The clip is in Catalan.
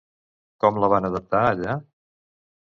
Com la van adaptar allà?